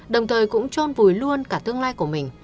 đồng thời cũng trôn vùi luôn cả tương lai của mình